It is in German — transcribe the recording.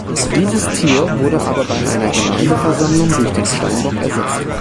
Dieses Tier wurde aber bei einer Gemeindeversammlung durch den Steinbock ersetzt.